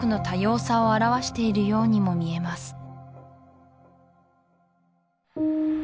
多様さを表しているようにも見えます